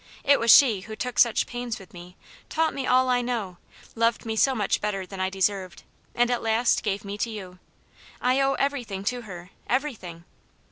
*' It was she who took such pains with me, taught me all I know, loved me so much better than I deserved, and at last gave me to you. I owe everything to her, every thing."